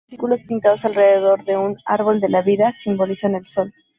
Los círculos pintados alrededor de un "árbol de la vida" simbolizan el sol.